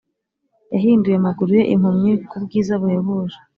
yahinduye amaguru ye impumyi kubwiza buhebuje,